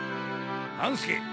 半助。